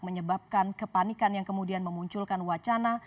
menyebabkan kepanikan yang kemudian memunculkan wacana